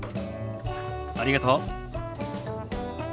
ありがとう。